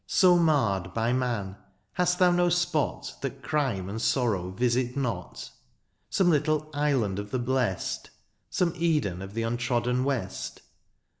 So marred by man, hast thou no spot That crime and sorrow visit not ? Some little " island of the blest," Some Eden of the untrodden west